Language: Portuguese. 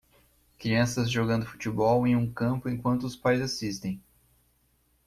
Crianças jogando futebol em um campo enquanto os pais assistem.